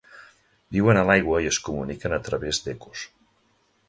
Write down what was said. Viuen a l'aigua i es comuniquen a través d'ecos.